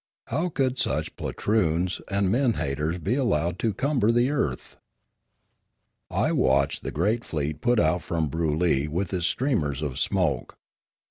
How could such poltroons and men haters be allowed to cumber the earth ? I watched the great fleet put out from Broolyi with its streamers of smoke.